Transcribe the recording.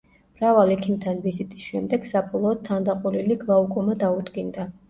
მრავალ ექიმთან ვიზიტის შემდეგ, საბოლოოდ თანდაყოლილი გლაუკომა დაუდგინდა.